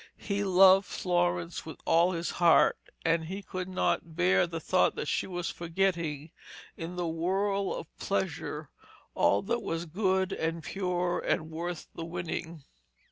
He loved Florence with all his heart, and he could not bear the thought that she was forgetting, in the whirl of pleasure, all that was good and pure and worth the winning.